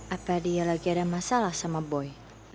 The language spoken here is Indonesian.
apa dia lagi ada masalah sama boy